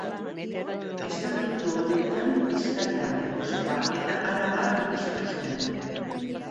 Estatutu horietan Bizkaia, Gipuzkoa eta Araba bildu zituzten.